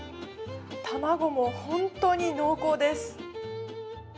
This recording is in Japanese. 卵も本当に濃厚です。